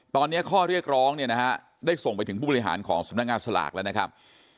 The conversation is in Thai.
ตอนนี้ข้อเรียกร้องเนี่ยนะฮะได้ส่งไปถึงผู้บริหารของสำนักงานสลากแล้วนะครับ